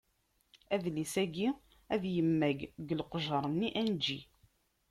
Adlis-ayi ad yemmag deg leqjer-nni anǧi.